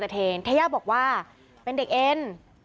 เทย่าบอกว่าเป็นเด็กเอ็น